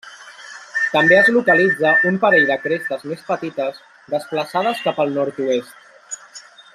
També es localitza un parell de crestes més petites desplaçades cap al nord-oest.